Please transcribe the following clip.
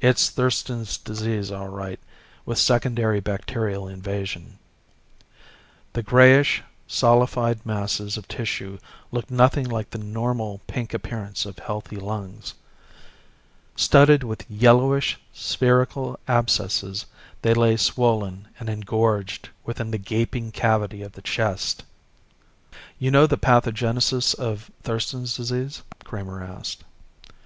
It's Thurston's Disease, all right, with secondary bacterial invasion." The grayish solidified masses of tissue looked nothing like the normal pink appearance of healthy lungs. Studded with yellowish spherical abscesses they lay swollen and engorged within the gaping cavity of the chest. "You know the pathogenesis of Thurston's Disease?" Kramer asked.